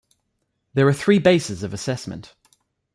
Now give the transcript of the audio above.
There are three bases of assessment.